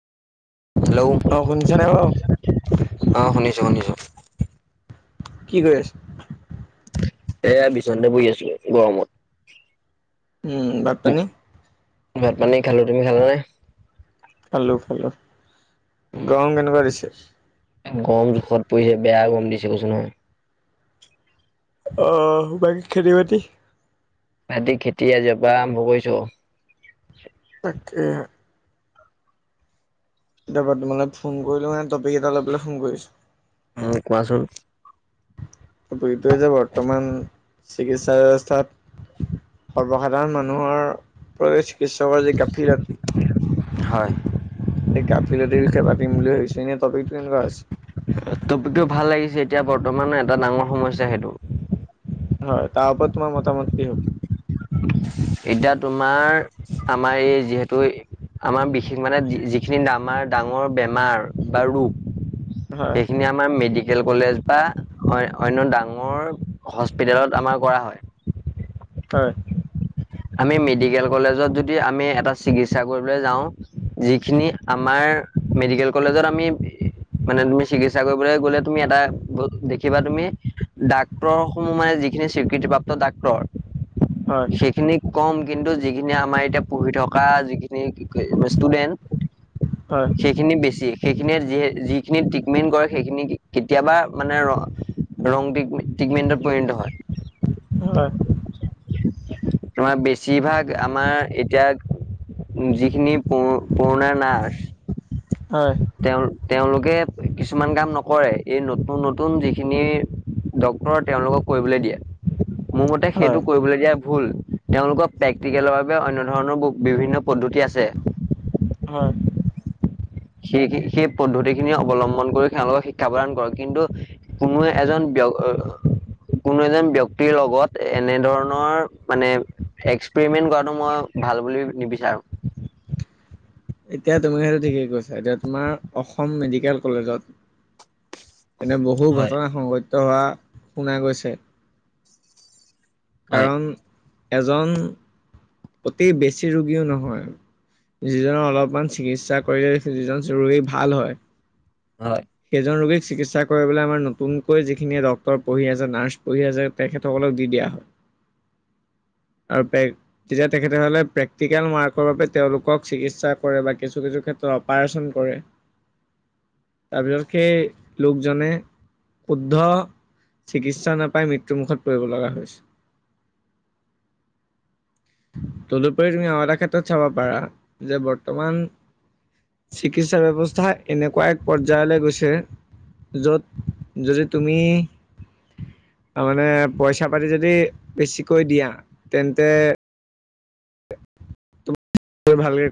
Hello অ শুনিছা নাই বাৰ অঁ শুনিছোঁ শুনিছোঁ কি কৰি আছে এয়া বিচনাতে পৰি আছো গৰমত উম ভাত পানী ভাত পানী খালো তুমি খালা নে খালো খালো গাৰম কেনেকুৱা দিছে গম জোখত পৰিছে বেয়া গম দিছে কৈছো নহয় অ বাকী খেতি বাতি [unintelligible] আজি খেতি আজিৰ পৰা আৰম্ভ কৰিছো তাকে তাপা তোমালে ফোন কৰিলো মানে টপিক এটা লৈ পেলাই ফোন কৰিছো উ কোৱাচোন এইটোৱে যে বৰ্তমান চিকিৎসা ব্যৱস্থাত সৰ্বসাধাৰণ মানুহৰ চিকিৎসকৰ যি গাফিলতি হয় এই গাফিলতিৰ বিষয়ে পাতিম বুলি ভাবিছো এনেই টপিক টো এনেকুৱা হৈছে টপিকটো ভাল লাগিছে এতিয়া বৰ্তমান এটা ডাঙৰ সমস্যা সেইটো হয় তাৰ ওৰত তোমাৰ মতামত কি হক এতিয়া তোমাৰ আমাৰ এই যিহেতু এই আমাৰ বিশেষ মানে, যিখিনি আমাৰ ডাঙৰ বেমাৰ বা হয় ৰোগ। এইখিনিয়ে আ আমাৰ মেডিকেল কলেজ বা অন্য ডাঙৰ হস্পিতেলত আমাৰ কৰা হয় হয় আমি মেডিকেল কলেজত যদি আমি এটা চিকিৎসা কৰিবলৈ যাওঁ যিখিনি আমাৰ মেডিকেল কলেজত আমি মানে তুমি চিকিৎসা কৰিবলৈ গলে তুমি এটা দেখিবা তুমি দাক ডাক্তৰ সমূহ সোমাই যি খিনি স্বীৃতিপ্ৰাপ্ত ডাক্তৰ হয় খিনি কম কিন্তু যিখিনি আমাৰ এতিয়া পঢ়ি থকা যিখিনি ষ্টুডেন্ট হয় সেইখিনি বেছি সেইখিনিয়ে য যিখিনি ট্ৰিটমেন্ট কৰে সেইখিনি কেতিয়াবা মানে দৰং তৃতমেনত পৰিত হয় হয় তোমাৰ বেছিভাগ আমাৰ এতিয়া যিখিনি প পুৰণা নাৰ্ছ হয় তেওঁ তেওঁলোকে কিছুমান কাম নকৰে এই নতুন নতুন যিখিনি ডক্টৰৰ তেওঁলোকক কৰিবলৈ দিয়া মোৰ মতে হয় সেইটো কৰিবলৈ দিয়া ভুল তেওঁলোকৰ প্ৰেক্টিকেলৰ বাবে অন্য ধৰণৰ বিভিন্ন পদ্ধতি আছে হয় সেই পদ্ধতি খিনি অৱলম্বন কৰি তেওঁলোকক শিক্ষা প্ৰদান কৰক কিন্তু- কোনো এজন ব্যয় কোনো এজন ব্যক্তিৰ লগত এনেধৰণৰ মানে এক্সপেৰিমেন্ট কৰাটো মই- ভাল বুলি নিবিচাৰো। এতিয়া তুমি সেইটো ঠিকেই কৈছা এতিয়া তোমাৰ অসম মেডিকেল কলেজত- এনে বহু হয় ঘটনা সংঘটিত হোৱা শুনা গৈছে। হয় কাৰণ, এজন, অতি বেছি ৰোগীও নহয়। যিজন অলপমান চিকিৎসা কৰিলে যিজন ৰোগী ভাল হয়। হয়। সেইজন ৰোগীক চিকিৎসা কৰিবলৈ আমাৰ নতুনকৈ যিখিনি ডক্তৰ পঢ়ি আছে নাৰ্চ পঢ়ি আছে। তেখেতসকলক দি দিয়া হয়। আৰু পেক তেতিয়া তেখেত হলে প্ৰেকটিকেল মাৰ্কৰ বাবে তেওঁলোকক চিকিৎসা কৰে বা কিছু কিছু ক্ষেত্ৰত অপাৰচন কৰে। তাৰপিছত সেই লোকজনে, উদ্ধ- চিকিৎসা নাপাই মৃত্যুমুখত পৰিব লগা হৈছে। তদুপৰি তুমি আৰু এটা ক্ষেত্ৰত চাব পাৰা যে বৰ্তমান- চিকিৎসা ব্যৱস্থা এনেকুৱা এক পৰ্যায়লৈ গৈছে। য'ত যদি তুমি- তাৰ মানে পইচা পাতি যদি বেছিকৈ দিয়া তেন্তে- তোমাক ভালকে-